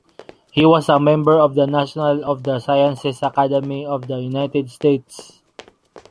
He was a member of the National and of the Sciences Academy of the United-States.